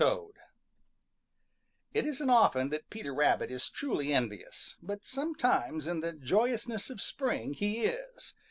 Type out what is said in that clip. TOAD It isn't often that Peter Rabbit is truly envious, but sometimes in the joyousness of spring he is.